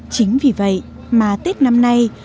chính vì vậy mà tết năm nay